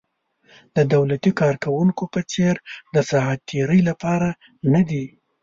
د دولتي کارکوونکو په څېر د ساعت تېرۍ لپاره نه دي.